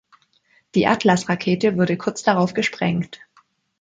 Die Atlas-Rakete wurde kurz darauf gesprengt.